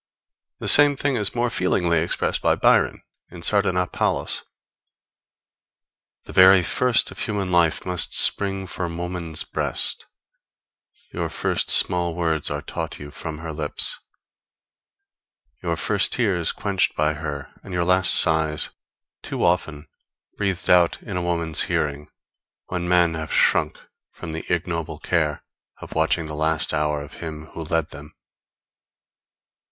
The same thing is more feelingly expressed by Byron in Sardanapalus: _The very first Of human life must spring from woman's breast, Your first small words are taught you from her lips, Your first tears quench'd by her, and your last sighs Too often breathed out in a woman's hearing, When men have shrunk from the ignoble care Of watching the last hour of him who led them_.